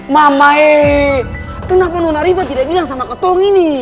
mama ee kenapa nona riva tidak bilang sama ketong ini